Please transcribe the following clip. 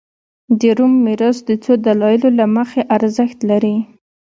د روم میراث د څو دلایلو له مخې ارزښت لري